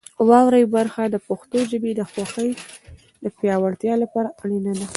واورئ برخه د پښتو ژبې د خوښۍ د پیاوړتیا لپاره اړینه ده.